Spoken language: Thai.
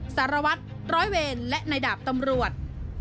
สารวัตรร้อยเวรและในดาบตำรวจ